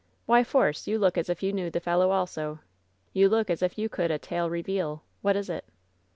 "Why, Force! You look as if you knew the fellow also! You look as if you *could a tale reveal.' What is it?"